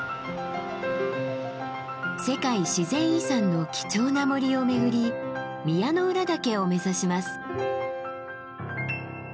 世界自然遺産の貴重な森を巡り宮之浦岳を目指します。